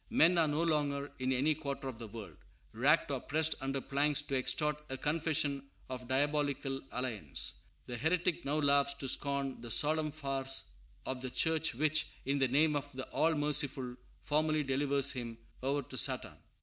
Men are no longer, in any quarter of the world, racked or pressed under planks to extort a confession of diabolical alliance. The heretic now laughs to scorn the solemn farce of the Church which, in the name of the All Merciful, formally delivers him over to Satan.